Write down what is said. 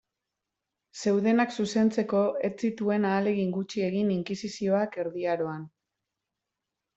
Zeudenak zuzentzeko ez zituen ahalegin gutxi egin inkisizioak Erdi Aroan.